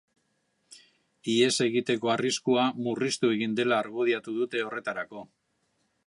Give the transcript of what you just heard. Ihes egiteko arriskua murriztu egin dela argudiatu dute horretarako.